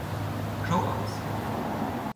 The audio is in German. Show aus.